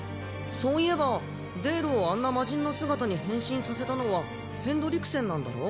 そういえばデールをあんな魔神の姿に変身させたのはヘンドリクセンなんだろ？